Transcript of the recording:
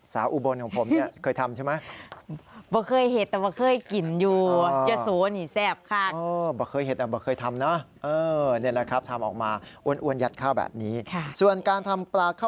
สาวอุบลของผมเคยทำใช่ไหม